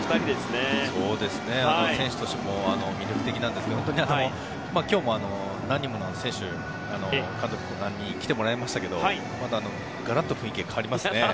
どの選手たちも魅力的なんですけど今日も何人もの選手、監督に来てもらいましたけどガラッと雰囲気が変わりますね。